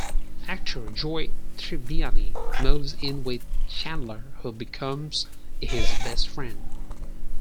Actor Joey Tribbiani moves in with Chandler, who becomes his best friend.